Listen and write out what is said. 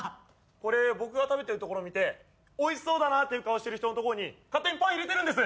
これ僕が食べてるところ見ておいしそうだなっていう顔してる人のところに勝手にパン入れてるんです。